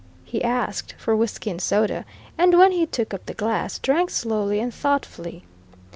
He asked for whisky and soda, and when he took up the glass, drank slowly and thoughtfully.